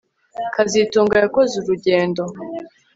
kazitunga yakoze urugendo